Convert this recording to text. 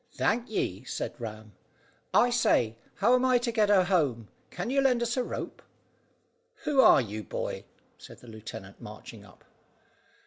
"Thank ye," said Ram. "I say, how am I to get her home? Can you lend us a rope?" "Who are you, boy?" said the lieutenant, marching up.